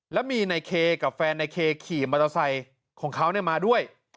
แล้วมีในเคกับแฟนในเคขี่มอาตาสัยของเขามาด้วย